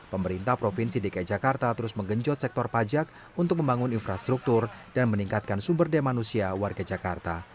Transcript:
pemerintah provinsi dki jakarta terus menggenjot sektor pajak untuk membangun infrastruktur dan meningkatkan sumber daya manusia warga jakarta